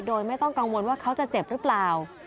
โดยไม่ต้องกังวลว่าเขาจะเจ็บหรือเปล่า